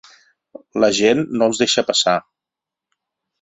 La gent no els deixa passar.